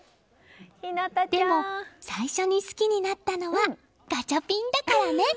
でも、最初に好きになったのはガチャピンだからね。